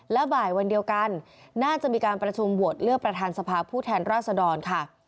และบ่ายวันเดียวกันน่าจะมีการประชุมโหวตเลือกประธานสภาพผู้แทนราษดรค่ะ